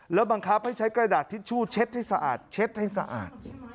แล้วบังคับให้ใช้กระดาษทิชชู่เช็ดให้สะอาดเช็ดให้สะอาด